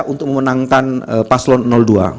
untuk memenangkan paslon dua